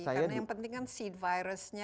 karena yang penting kan seed virusnya